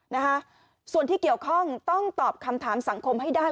นะคะส่วนที่เกี่ยวข้องต้องตอบคำถามสังคมให้ได้